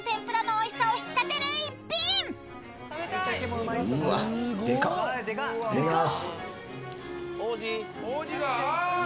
いただきます。